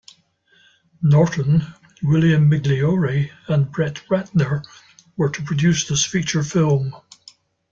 Norton, William Migliore and Brett Ratner were to produce this feature film.